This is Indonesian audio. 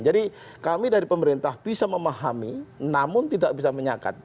jadi kami dari pemerintah bisa memahami namun tidak bisa menyakati